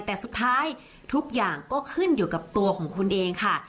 แต่สุดท้ายทุกอย่างก็ขึ้นอยู่กับตัวของคุณเองค่ะ